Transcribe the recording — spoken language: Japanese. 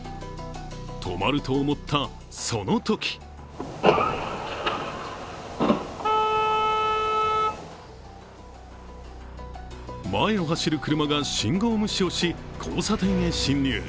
止まると思った、そのとき前を走る車が信号無視をし、交差点へ進入。